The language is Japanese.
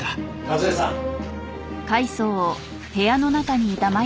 和江さん。